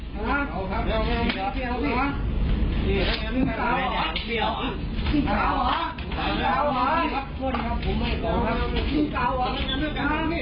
สวัสดีครับทุกคน